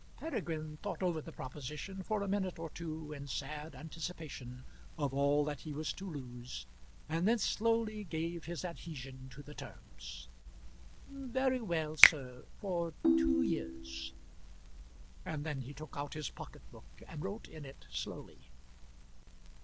Peregrine thought over the proposition for a minute or two in sad anticipation of all that he was to lose, and then slowly gave his adhesion to the terms. "Very well, sir; for two years." And then he took out his pocket book and wrote in it slowly.